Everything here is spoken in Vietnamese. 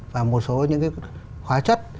và một số những khóa chất